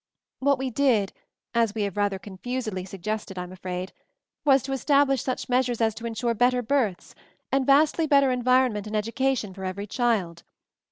"What we did, as we have rather con fusedly suggested, I'm afraid, was to es tablish such measures as to insure better births, and vastly better environment and education for every child.